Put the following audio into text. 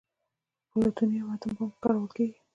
د پلوټونیم اټوم بم کې کارول کېږي.